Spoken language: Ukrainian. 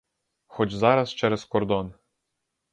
Хоч зараз через кордон!